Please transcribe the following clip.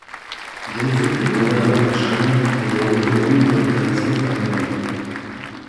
Џонсон ќе одговара на прашања во Долниот дом на британскиот Парламент